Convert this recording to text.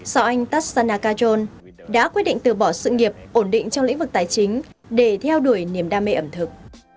sở anh tassana kajol đã quyết định từ bỏ sự nghiệp ổn định trong lĩnh vực tài chính để theo đuổi niềm đam mê ẩm thực